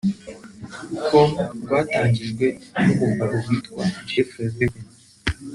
com rwatangijwe n’umugabo witwa Jeffrey Levin